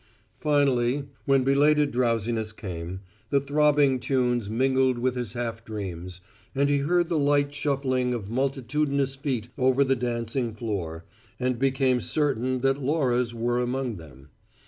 Finally, when belated drowsiness came, the throbbing tunes mingled with his half dreams, and he heard the light shuffling of multitudinous feet over the dancing floor, and became certain that Laura's were among them.